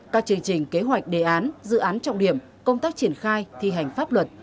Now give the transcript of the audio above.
các chương trình kế hoạch đề án dự án trọng điểm công tác triển khai thi hành pháp luật